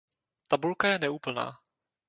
Tabulka je neúplná.